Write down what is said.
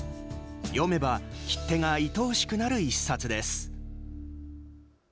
読めば切手がいとおしくなる一冊です。